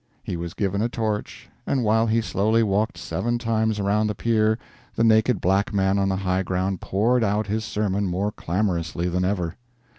He was given a torch, and while he slowly walked seven times around the pyre the naked black man on the high ground poured out his sermon more clamorously than ever.